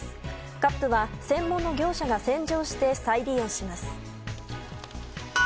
カップは専門の業者が洗浄して再利用します。